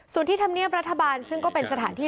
ส่วนที่ธรรมเนียบรัฐบาลซึ่งก็เป็นสถานที่